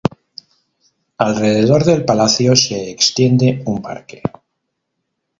Alrededor del palacio se extiende un parque.